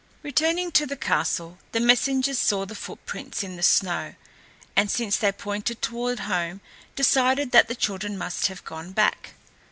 Returning to the castle the messengers saw the footprints in the snow, and since they pointed toward home, decided that the children must have gone back.